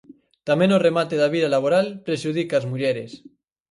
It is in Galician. Tamén o remate da vida laboral prexudica as mulleres.